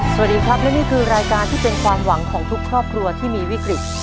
สวัสดีครับและนี่คือรายการที่เป็นความหวังของทุกครอบครัวที่มีวิกฤต